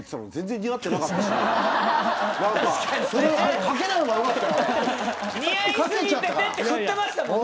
似合いすぎててってふってましたもんね。